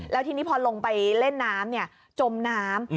แล้วทีนี้พอลงไปเล่นน้ำจมน้ำ